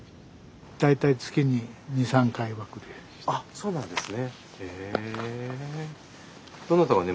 そうなんですね。